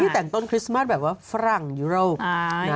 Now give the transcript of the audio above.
ที่แต่งต้นคริสต์แบบว่าฝรั่งนี้อ่า